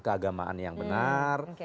keagamaan yang benar